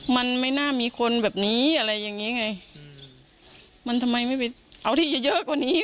มันไม่น่ามีคนแบบนี้อะไรอย่างงี้ไงมันทำไมไม่ไปเอาที่จะเยอะกว่านี้